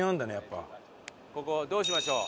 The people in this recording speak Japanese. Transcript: ここどうしましょう？